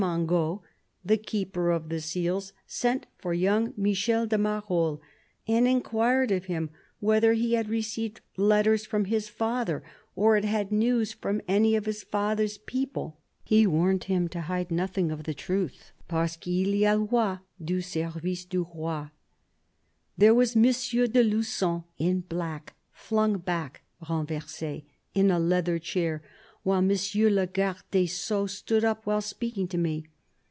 Mangot, the Keeper of the Seals, sent for young Michel de Marolles and inquired of him whether he had received letters from his father or had had news from any of his father's people. He warned him to hide nothing of the truth —" parce qu'il y alloit du service du roi." " There was M. de Lugon, in black, flung back (renverse) in a leathern chair, while M. le Garde des Sceaux stood up while speaking to me.